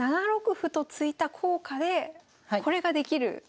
７六歩と突いた効果でこれができる。